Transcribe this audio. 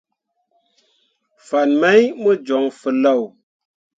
Fan mai mo joŋ feelao.